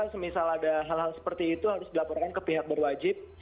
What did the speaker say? jadi kalau misalnya ada hal hal seperti itu harus dilaporkan ke pihak berwajib